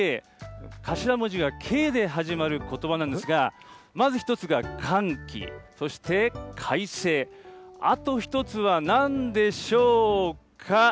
頭文字がＫで始まることばなんですが、まず一つが寒気、そして快晴、あと一つはなんでしょうか？